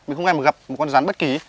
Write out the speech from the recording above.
mình không nghe mà gặp một con rắn bất kỳ